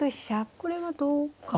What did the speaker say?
これは同角。